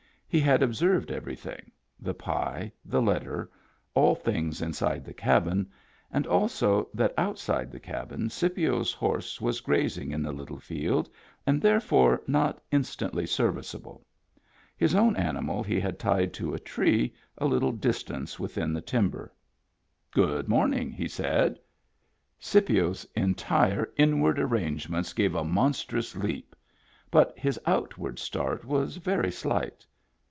He had observed everything: the pie, the letter, all things inside the cabin, and also that outside the cabin Scipio's horse was grazing in the little field, and therefore not instantly serviceable. His own animal he had tied to a tree a little distance within the timber. Digitized by Google 8o MEMBERS OF THE FAMILY "Good morning," he said. Scipio's entire inward arrangements gave a monstrous leap, but his outward start was very slight.